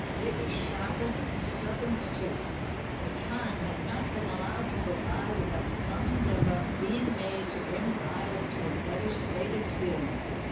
It was sharper than a serpent's tooth. The time had not been allowed to go by without some endeavour being made to bring Violet to a better state of feeling.